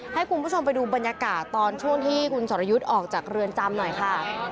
ให้คุณผู้ชมไปดูบรรยากาศตอนช่วงที่คุณสรยุทธ์ออกจากเรือนจำหน่อยค่ะ